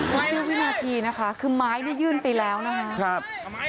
เวลาวินาทีนะคะคือไม้นี่ยื่นไปแล้วนะครับ